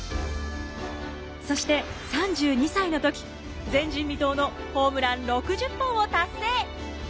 そして３２歳の時前人未到のホームラン６０本を達成！